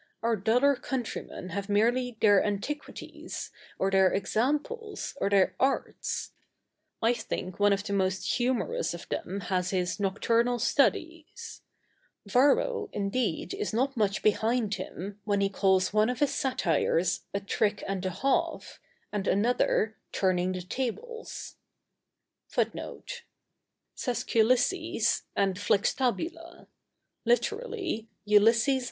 Our duller countrymen have merely their Antiquities, or their Examples, or their Arts. I think one of the most humorous of them has his Nocturnal Studies. Varro, indeed, is not much behind him, when he calls one of his satires A Trick and a Half, and another, Turning the Tables.